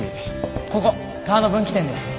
ここ川の分岐点です。